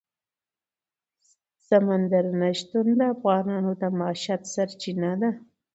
سمندر نه شتون د افغانانو د معیشت سرچینه ده.